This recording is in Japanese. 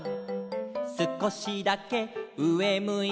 「すこしだけうえむいて」